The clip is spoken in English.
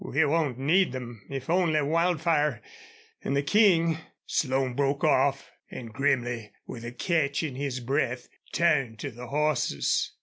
"We won't need them if only Wildfire and the King " Slone broke off and grimly, with a catch in his breath, turned to the horses.